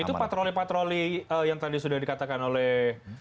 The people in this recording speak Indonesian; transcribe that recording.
itu patroli patroli yang tadi sudah dikatakan oleh